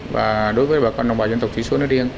và đối với bà con đồng bào dân tộc thí số nơi điên